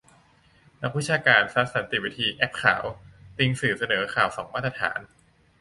นักวิชาการซัด สันติวิธี-แอ๊บขาว ติงสื่อเสนอข่าวสองมาตรฐาน